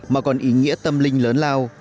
mà còn ý nghĩa tâm linh lớn lao